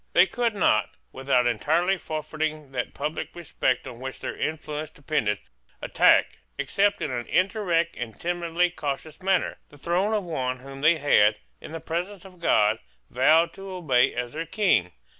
They could not, without entirely forfeiting that public respect on which their influence depended, attack, except in an indirect and timidly cautious manner, the throne of one whom they had, in the presence of God, vowed to obey as their King.